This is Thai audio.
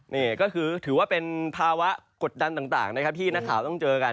นี่ก็คือถือว่าเป็นภาวะกดดันต่างนะครับที่นักข่าวต้องเจอกัน